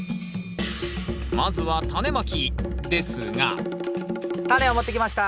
まずはタネまきですがタネを持ってきました。